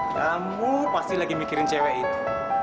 kamu pasti lagi mikirin cewek itu